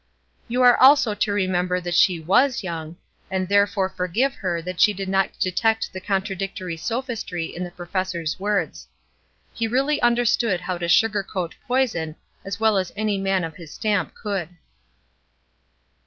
You are also to remember that she was young, and therefore forgive her that she did not detect the contradictory sophistry in the professor's words. He really understood how to sugar coat poison as well as any man of his stamp could.